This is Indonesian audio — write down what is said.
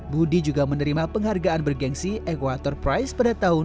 budi juga menerima penghargaan bergensi equator prize pada tahun dua ribu lima belas